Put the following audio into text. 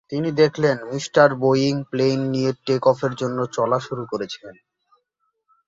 তিনি দেখলেন, mister Boeing plane নিয়ে টেক অফের জন্য চলা শুরু করেছেন।